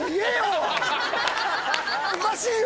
おかしいよ。